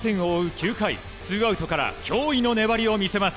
９回ツーアウトから驚異の粘りを見せます。